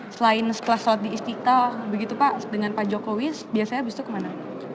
selain sekelas sholat di istiqlal begitu pak dengan pak jokowi biasanya habis itu kemana